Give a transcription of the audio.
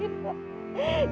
bangun nak bangun